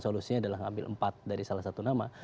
solusinya adalah ngambil empat dari salah satu nama